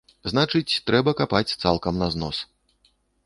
Значыць, трэба капаць цалкам на знос.